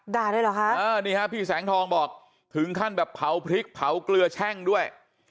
เลยเหรอคะนี่ฮะพี่แสงทองบอกถึงขั้นแบบเผาพริกเผาเกลือแช่งด้วย